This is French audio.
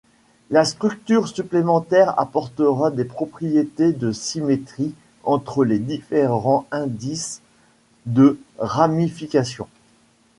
La structure supplémentaire apportera des propriétés de symétrie entre les différents indices de ramification.